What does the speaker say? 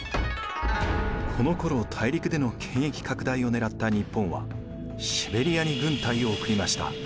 このころ大陸での権益拡大を狙った日本はシベリアに軍隊を送りました。